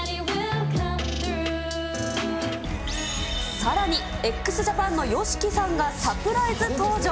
さらに、ＸＪＡＰＡＮのＹＯＳＨＩＫＩさんがサプライズ登場。